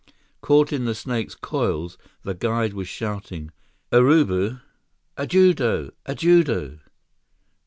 Caught in the snake's coils, the guide was shouting: "Urubu! _Ajudo! Ajudo!